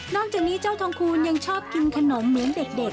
อกจากนี้เจ้าทองคูณยังชอบกินขนมเหมือนเด็ก